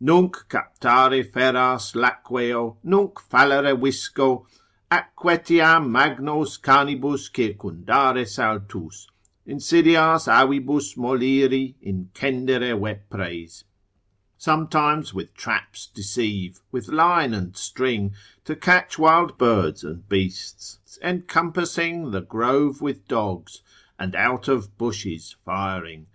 Nunc captare feras laqueo, nunc fallere visco, Atque etiam magnos canibus circundare saltus Insidias avibus moliri, incendere vepres. Sometimes with traps deceive, with line and string To catch wild birds and beasts, encompassing The grove with dogs, and out of bushes firing.